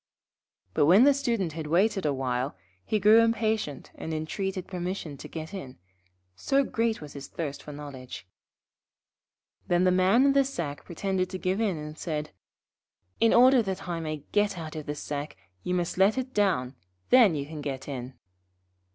But when the Student had waited a little, he grew impatient and entreated permission to get in, so great was his thirst for knowledge. Then the Man in the sack pretended to give in, and said: 'In order that I may get out of the sack you must let it down, then you can get in.'